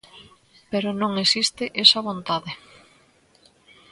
Pero non existe esa vontade.